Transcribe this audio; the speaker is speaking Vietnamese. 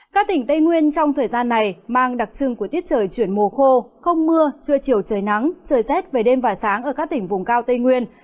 các tỉnh tây nguyên trong thời gian này mang đặc trưng của tiết trời chuyển mùa khô không mưa trưa chiều trời nắng trời rét về đêm và sáng ở các tỉnh vùng cao tây nguyên